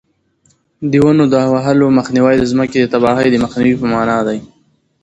د ونو د وهلو مخنیوی د ځمکې د تباهۍ د مخنیوي په مانا دی.